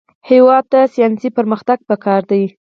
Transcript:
هېواد ته ساینسي پرمختګ پکار دی